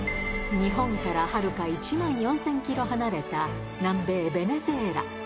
日本からはるか１万４０００キロ離れた南米ベネズエラ。